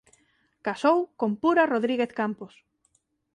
Casou con Pura Rodríguez Campos.